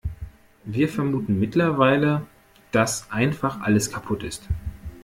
Wir vermuten mittlerweile, dass einfach alles kaputt ist.